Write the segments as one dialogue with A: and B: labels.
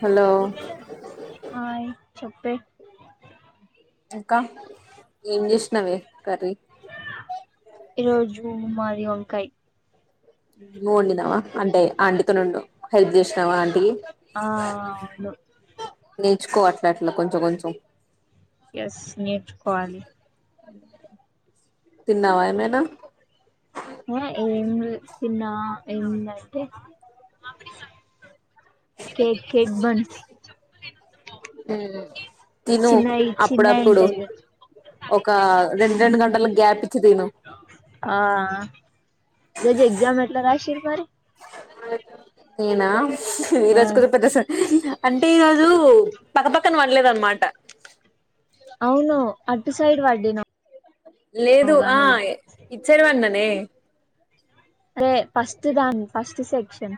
A: Hello
B: ఆయ్ చోప్పే
A: ఇంకా ఏంజెసినవే కర్రీ?
B: ఈరోజు మాది వంకాయ్.
A: నువ్వు వండినావా అంటే ఆంటితో నుండు హెల్ప్ చేసినవా ఆంటి
B: ఆ అవుండు
A: నేర్చుకో అట్లా అట్లా కొంచెం కొంచెం
B: యస్ నేర్చుకోవాలి.
A: [inaudible] ఏమైనా
B: ఆ ఏంలే తిన్నావా ఏమైంది అంటే కేక్ కేక్ బన్స్
A: తిను
B: చిన్నయి చిన్నయి
A: అప్పుడప్పుడు
B: ఉంటాయి గా
A: ఒక రెండు రెండు గంటలకు గ్యాప్ ఇచ్చి తిను
B: ఆ వరు
A: ఏనా
B: ఆ
A: మీరాజకుద పెద్ద స అంటే ఈరోజు పక్కపక్కన పడలేదు అనమాట
B: అవును అటు సైడ్ పడినవ్
A: లేదు ఆ ఇట్సైడ్ వండనే అ
B: రే ఫస్ట్ దాన్ని ఫస్ట్ సె క్షన్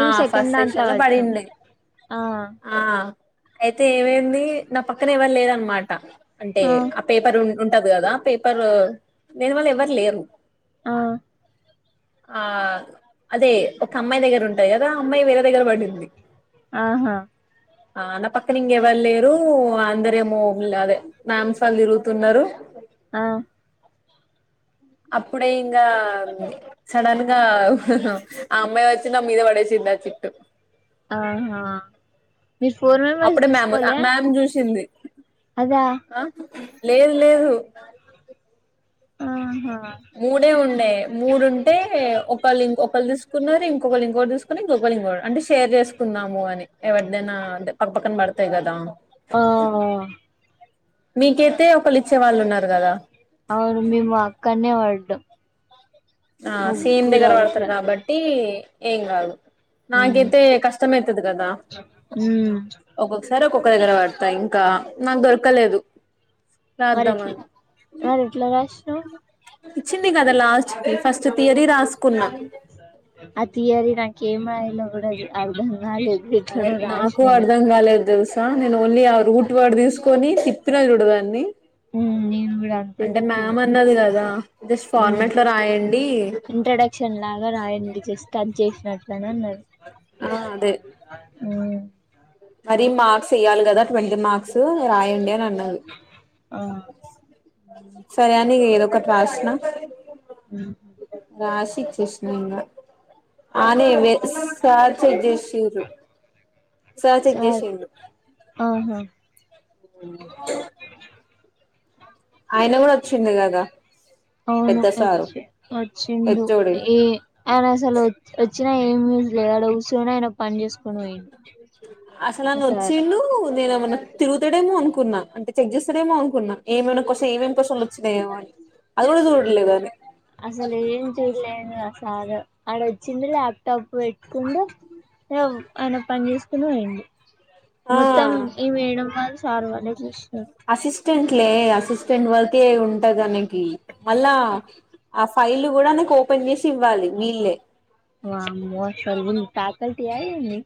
A: ఆ
B: సెకండ్
A: ఫస్ట్
B: దాంట్లో
A: సెక్షన్ లో
B: వడిన్నం
A: పడిండే
B: ఆ
A: ఆ అయితే ఏమైంది నా పక్కనే ఎవళ లేరునమా ట అంటే ఆ పేపర్ ఉ ఉంటది కదా పేపర్ దేని వల్ల ఎవరు లేరు
B: ఆ
A: ఆ అదే ఒక అమ్మాయి దగ్గర ఉంటాయి కదా అ అమ్మాయి వేరే దగ్గర పడింది
B: ఆహా
A: ఆ నా పక్కన ఇంగెవలేరు అందరేమో అదే మామ్స్ వాళ్ళు తిరుగుతున్నారు
B: ఆ
A: అప్పుడే ఇంగ సడన్ గా ఆ అమ్మాయి వచ్చి మీద పడేసింది ఆ చిట్టు
B: ఆహా మీరు ఫోర్ మెంబర్స్
A: అప్పుడే మ్యామ్
B: తీసుకోలె
A: మ్యామ్ చూసింది ఆ లేదు లేదు
B: ఆహా
A: మూడే ఉండే మూడు ఉంటే ఒకళ ఇం ఒకళ తీసు కున్నారు ఇంకోకలింగోటీ తీసుకుని ఇంకొకలింగోటీ అంటే షేర్ చేసుకుందాము అని ఎవరీదైనా అంతే పక్క పక్కన బడతాయి కదా
B: ఆ
A: మీకైతే ఒకలు ఇచ్చే వాళ్ళు ఉన్నారు కదా
B: అవును మేము అక్కనే వడ్డం
A: ఆ సేమ్ దగ్గర పడతారు కాబట్టి ఏం గాదు
B: ఉమ్
A: నాకైతే కష్టమైతది కదా ఒక్కొక్కసారి ఒక్కొ ఒక్క దగ్గర పడతా ఇంకా నాకు దొరకలేదు
B: మరెట్లు మరి ఎట్ల
A: రాద్దామని
B: మరి ఎట్లా రాసినవ్
A: ఇచ్చింది కదా లాస్ట్ కి ఫస్ట్ థయరీ రాసుకున్నా
B: కేం రాయలో కూడా అర్ధం
A: అదే నాకు అర్ధం కాలేదు తెలుస నేను ఓన్లీ ఆ రూట్ వాడు తీసుకొని తిప్పినా చూడదాన్ని
B: నేను కూడా అంతే
A: అంటే
B: తిప్పిన
A: మ్యామ్ అన్నది కదా జస్ట్
B: ఉమ్,
A: ఫార్మాట్ లో రాయండి
B: కట్ చేసినట్లనేన్నది
A: ఆ అదే
B: హ్మ్మ్ [inaudible]
A: దీని మార్క్స్ వెయాలి కదా ట్వంటీ మార్క్స్ రాయండి అని అ
B: ఆ
A: సరే అని ఇంగేదోకటి రాసిన
B: [inaudible]
A: రాశీ ఇచ్చేసిన ఇంకా సార్ చెక్ చేసిర్రూ సార్ చెక్ చేసిండు
B: ఆహా
A: [inaudible] ఆయన కూడా వచ్చింది కదా
B: అవును
A: పెద్ద సారు
B: వచ్చి వచ్చిండు
A: హెచ్ ఓ డి
B: ఈ అయన అసలు వ వచ్చినా ఏమి చేయ్యడు కుసోని ఆ సార్
A: అస్లాయానోచ్చిండు నేన ఏమన్నా తిగుతాడేమో అనుకున్నా అంటే చెక్ చేస్తాడేమో అనుకున్నా ఏమైనా కోసం ఏమేమి క్వశ్చన్స్ వచ్చినాయేమో అని అది కూడాచూటలేదనే
B: అసలు ఏం చేయలేదు ఆ సార్ ఆడ వచ్చిండు ల్యాప్టాప్ పెట్టుకుండు ఆయన పని చేసుకుని పోయండు
A: ఆ
B: సార్ వాళ్ళే చూస్తున్నారు
A: అసిస్టెంట్లే అసిస్టెంట్ వర్క్ అయితే ఉంటదనకి మళ్ళా ఆ ఫైల్ కూడా నాకు ఓపెన్ చేసి ఇవ్వాలి వీళ్ళే
B: వామ్మో అసలు ఫ్యాకల్టీయా ఏందీ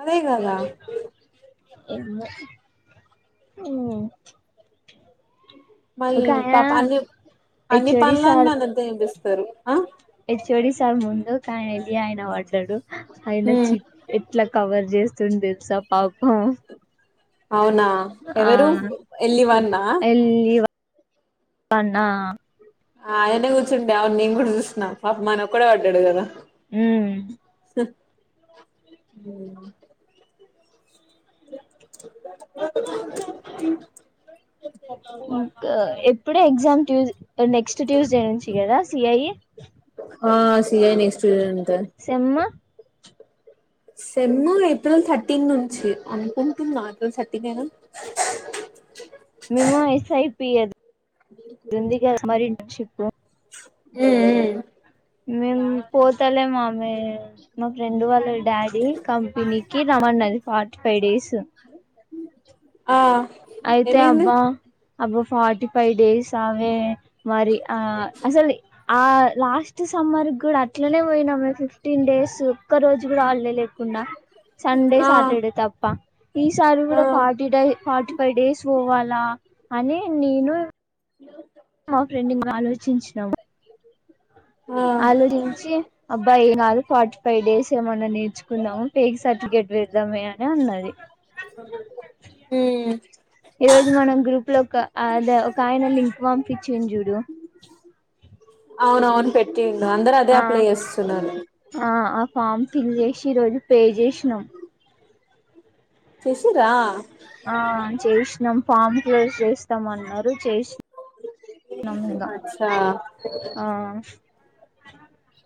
A: అదే కాదా
B: మ్మ్మ్
A: మళ్ళీ పాప అన్ని అన్ని
B: హెచ్ఓడి సార్
A: పనులన్న అందర్తో చూపిస్తరు ఆ
B: హెచ్వోడి సార్ ముందు కానీదియన వ తడు అయిన
A: ఉమ్
B: చి ఎట్లా కవర్ చేస్తుంది తెలుసా పాపం
A: అవునా
B: ఆ
A: ఎవరు ఎలి వన్నా
B: వాడ్నా
A: ఆ ఆయనే కూర్చుంటే అవును నేను కూడా చూసన్నా పాప మన ఒక్కడే పడ్డాడు కదా
B: హ్మ్
A: హ్మ్
B: ఇకా ఎప్పుడు ఎగ్జామ్ ట్యూస్ అంటే నెక్స్ట్ ట్యూస్డే నుంచి కదా చి ఐ
A: సిఐ నెక్స్ట్ నేం
B: సెమ్మ
A: సెమ్ము ఏప్రిల్ థర్టీన్ నుంచి అనుకుంటున్నా ఏప్రిల్ థర్టీనేనా,
B: మేము ఎస్ఐపిఎది ఉంది కదా మరి ఇం టర్న్ షిప్పు
A: మ్మ్ హ్మ్
B: మేము పోతలేం ఆమే మా ఫ్రెండ్ వాళ్ళ డాడీ కంపెనీ కి రమన్నది ఫార్టీ ఫైవ్ డేస్
A: హలో మ్ చెప్పు ఆ
B: అయితే
A: ఏమైంది
B: అబ్బా అబ్బ ఫార్టీ ఫైవ్ డేస్ అవే మరి ఆ అసలీ ఆ లాస్ట్ సమ్మర్ క్కూడా అట్లనే పోయినామే ఫిఫ్టీన్ డేస్ ఒక్క రోజు కూడా హాల్డేలే కుండ సండే
A: ఆ
B: సాటర్డే తప్పా ఈసారి
A: ఆ
B: కూడా ఫార్టీ డై ఫార్టీ ఫైవ్ డేస్ పొవాలి లా అని నేను మా ఫ్రెండింగ్ ఆలోచించినాము
A: ఆ
B: ఆలోచించి అబ్బాయి కాదు ఫార్టీ ఫైవ్ డేస్ ఏమన్నా నేర్ గున్నా పే సర్టిఫికేట్ విద్దామే అని అన్నది
A: ఉమ్
B: ఈ రోజు మనం గ్రూప్ లో ఒక అదే ఒక ఆయన లింక్ పంపించిండు చూడు
A: అవునవును పెట్టిండు అందరు అదే
B: ఆ
A: అప్లై చేస్తున్నారు
B: ఆ ఆ ఫామ్ ఫిల్ చేసి ఈ రోజు పే చేసినాం
A: చేసిర్రా
B: ఆ చేసినాం ఫామ్ క్లోజ్ చేస్తామన్నారు చేసినము ఇంగా
A: అచ్చా
B: ఆ [inaudible] అ [unintelligible]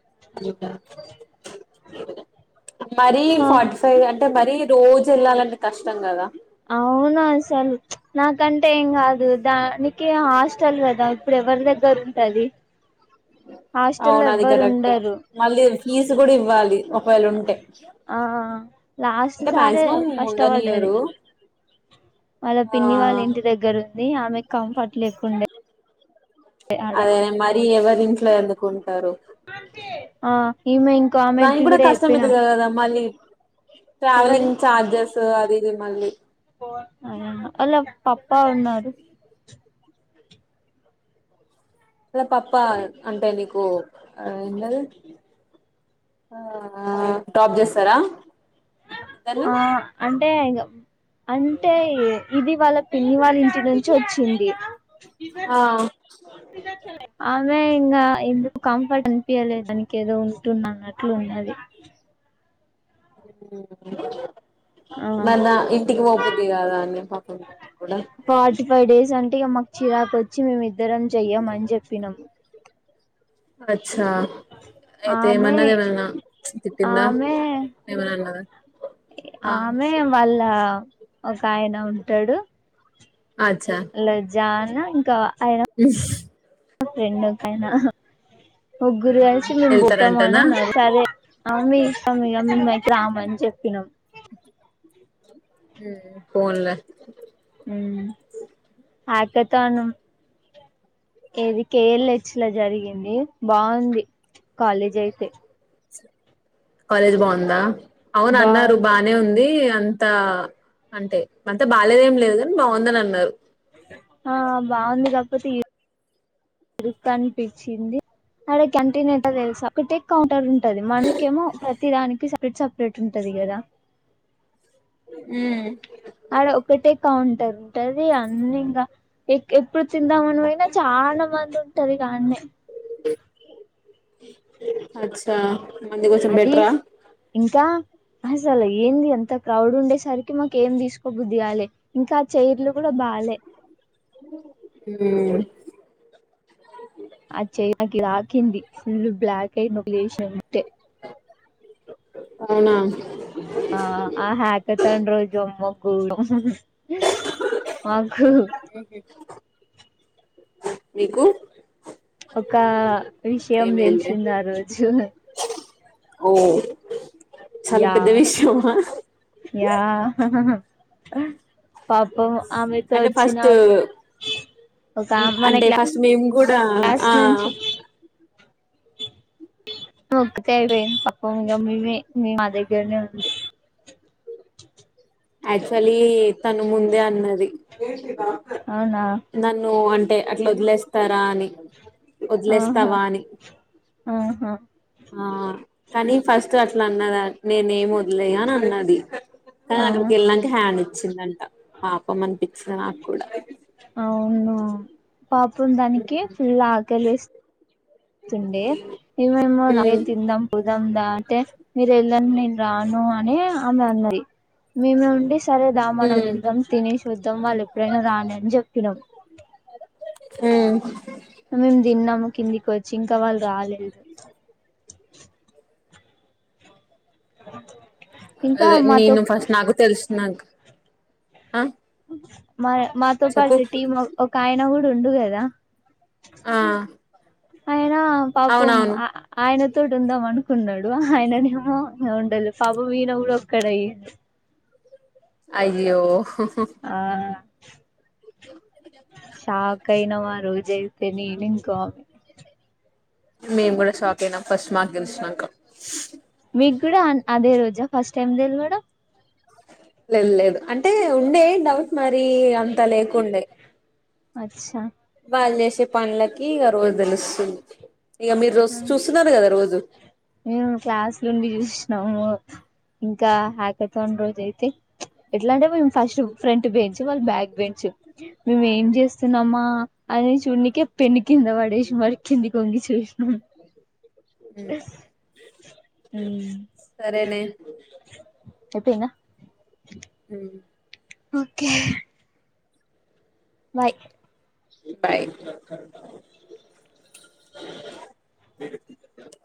A: మరి
B: హా
A: ఫాటీ ఫైవ్ అ అంటే మరీ రోజు వెళ్ళాలంటే కష్టం కదా
B: అవును అసలు నాకంటే ఏం కాదు దానికి హాస్టల్ కదా ఇప్పుడు ఎవరి దగ్గర ఉంటది హాస్టల్ లొ
A: అవును అది
B: ఎవ్వరు
A: కరెక్టే
B: ఉండరు.
A: మళ్ళీ ఫీజు కూడా ఇవ్వాలి ఒకవేళ ఉంటే
B: ఆ లాస్ట్
A: అంటే
B: సారే
A: మాక్సిమం
B: కష్టపడ్డది.
A: ఉండనియరు
B: వాళ్ళ
A: ఆ
B: పిన్ని వాళ్ళ ఇంటి దగ్గర ఉంది ఆమె కంఫర్ట్ లేకుండే. ఆడ
A: అదేనే మరి ఎవరిఇంట్లో ఎందుకు కుంటారు
B: ఆ ఈమె ఇంకో
A: దానికి
B: ఆమెకి
A: కూడా కష్టం
B: చెప్పినాం
A: ఇదుదు కదా మళ్ళీ
B: ఎవరి
A: ట్రావెలింగ్ చార్జెస్ అది మిమ్మల్ని
B: వాళ్ళ పప్పా ఉన్నారు
A: పప్ప అంటే నీకు ఏంది అది ఆ డ్రాప్ చేస్తారా ఇద్దరిని
B: ఆ అంటే టేగ [unintelligible] అంటే ఇది వాళ్ళ పిన్ని వాళ్ళ ఇంటి నుంచి వచ్చింది ఇ ఇద [unintelligible]
A: ఆ
B: సర్లే ఇంకా ఎందుకు కంఫర్ట్ అనిపియల దానికి ఏదో ఉంటున్న అన్నట్లు ఉన్నది ఆ
A: [inaudible] మన ఇంటికి పోబుద్ధి కాదా నె పాపం కూడా
B: ఫార్టీ ఫైవ్ డేస్ అంటే ఇగ మాకు చిరాకు వచ్చి మేమిద్దరం చెయ్యమని చెప్పినాము
A: అ [unintelligible] అచ్చా అయితే
B: ఆమె
A: ఏమన్నది ఏమన్నా తిట్టిందా
B: ఆమె
A: ఏమనా అన్నదా ఆ
B: ఆమె వాల్లా ఒక ఆయన ఉంటాడు లె జా ఇంకా ఆయన
A: ఇ
B: ఫ్రెండ్ కయ్ నా
A: ఆ
B: ముగ్గురు కలిసి మేము పోతాము అని
A: వెళ్తారంటనా
B: అన్నది సరే ఆ మీ ఇస్తాం ఇక మేము అయితే రాము అని చెప్పినాం
A: ఉం ఫోన్ల
B: ఆకతనం ఏది కేఎలెచ్ లొ జరిగింది బాగుంది కాలేజ్ అయితే
A: కాలేజ్ బాగుందా అవును అన్నారు
B: బాగుంది
A: బానే ఉంది ఆ అంతా అంటే అంత బాలేదేం లేదు కాని బాగుందని అన్నారు
B: ఆ బాగుంది కాకపోతే ఎ అనిపించింది అడ కంటీన్ ఏంటో తెలుసా అక్క టెక్ కౌంటర్ ఉంటు టది మనకేమో తి దానికి సపరేట్ సపరేట్ ఉంటది కదా
A: ఉ
B: అడ ఒక్కటే కౌంటర్ ఉంటది అన్ని ఇంకా ఇప్పుడు తిందామని పోయిన చాలా మంది ఉ టది గ ఆన్నే
A: అచ్చా మంది కోసం
B: అది
A: బెట్రా
B: ఇంకా అసలు ఏంది అంత క్రౌడ్ ఉండేసరికి మాకేం తీసుకోబుద్ధి కాలే ఇంకా చైర్లు కూడా బాలే
A: హ
B: రాకింది ఫుల్ బ్లాక్ అయి ఒక లేసింటే
A: అవునా
B: ఆ ఆ హ్యాకత అండ్రుజొమ్మ్ మాకు
A: దిగి
B: ఒక విషయం
A: ఏమైంది
B: తెలిసింది ఆ రోజు
A: ఓ చాలా
B: యా
A: పెద్ద విషయమా
B: యా ఆ పాపం ఆమెతో
A: అంటే
B: వచ్చిన
A: ఫస్ట్
B: ఒక మన
A: అంటే ఫస్ట్ మేము కూడా ఆ
B: ముకుతే అయిపోయి పాపం మీవే మీ మా దగ్గరనే ఉ
A: యాక్టుల్ల్య్ తను ముందే అన్నది ఏ
B: అవునా
A: నన్ను ఏ అట్లా వదిలేస్తాను అని
B: ఆహా
A: వదిలేస్తావా అని
B: ఆహా
A: ఆ కానీ ఫస్ట్ అట్లా అన్నద నేనే ఏం వదిలేయ అని అన్నది
B: ఆ
A: కానీ అక్కడ నికి హ్యాండ్ ఇచ్చిందంట పాపం అనిపించంది నాకు కూడా
B: చూడ్డానికి ఫుల్ ఆకలి వేస్త తుండే ఈమేమో రావే
A: ఉమ్
B: తిందాం పోదాం దా అంటే మీరు వెళ్ళండి నేను రాను అనే ఆమె అన్నది మేమే ఉండి సరే దా మనం
A: ఉమ్
B: వెళ్దాం తినేసి వద్దాం తమ్మలు ప్రణదా నేంజెప్పినం
A: ఉమ్
B: మేము తిన్నాము కిందికి వచ్చి ఇంకా వాళ్ళు రాలేదు అ
A: అదే నేను ఫస్ట్ నాకు తెలుసు నాంక్ ఆ
B: మాతో
A: చెప్పు
B: పాటు టీం ఒక ఆయన కూడా ఉండుగదా
A: ఆ
B: ఆ ఆ పాపం
A: అవునవును
B: ఆయన తడుందవను ఉన్నాడు ఆయననే ఆ ఉండదు పాపం ఈయన కూడా కడయి
A: అయ్యో
B: ఆ షాక్ కై నవారు జయితే నేనింకో అమి
A: మేము కూడా షాక్ అయినాం ఫస్ట్ మాకు తెలిసినాకా
B: మీకు కూడా అదే రోజా ఫస్ట్ టైమ్ తెల్వడం
A: లేదు లేదు అంటే ఉండే డౌట్ మరి అంతా లేకుండే
B: అచ్చా
A: వాళ్ళు చేసే పనులకి ఇక రోజు తెలుస్తుంది ఇక మీరు రోజు చూస్తున్నారు కదా రోజు
B: తుంగి జూష్నము ఇంకా యాకతాన్ రోజైతె ఎట్లంటే మేమ్ ఫస్ట్ ఫ్రెంట్ బేంచ్ వాళ్ళ్ బ్యాక్ బెేంచ్ మేమేం జేస్తున్నామా అని చూన్నీకె పెన్ను. కింద వడేష్ మరి కిందికొంగి చూష్ [unintelligible]
A: ఉమ్
B: ఊమ్ [unintelligible] ప్పైన
A: ఉమ్
B: ఒకే బాయ్
A: బాయ్